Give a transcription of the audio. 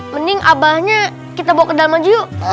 mending abahnya kita bawa ke damaji yuk